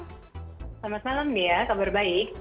selamat malam dea kabar baik